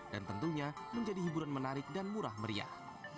dan tentunya menjadi hiburan menarik dan murah meriah